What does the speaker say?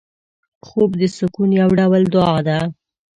خوب د سکون یو ډول دعا ده